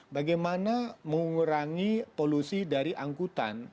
bagaimana mengurangi polusi dari angkutan